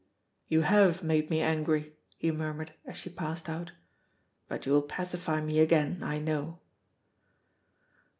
"You have made me angry," he murmured, as she passed out, "but you will pacify me again, I know."